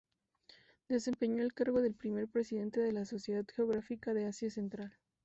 Desempeñó el cargo del primer presidente de la Sociedad Geográfica de Asia Central.